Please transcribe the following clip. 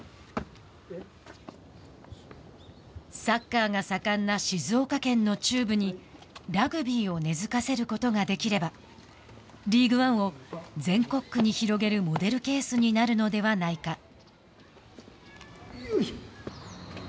サッカーが盛んな静岡県の中部にラグビーを根づかせることができればリーグワンを全国区に広げるモデルケースになるのではないか。